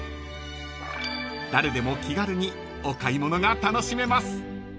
［誰でも気軽にお買い物が楽しめます］